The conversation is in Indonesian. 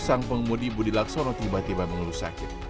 sang pengemudi budi laksono tiba tiba mengeluh sakit